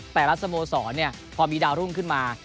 แต่ละสโมสรพอมีดาวรุ่งขึ้นมา